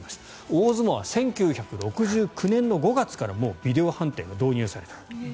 大相撲は１９６９年５月からもうビデオ判定が導入された。